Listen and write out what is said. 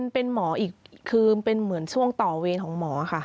เป็นหมออีกคือเป็นเหมือนช่วงต่อเวรของหมอค่ะ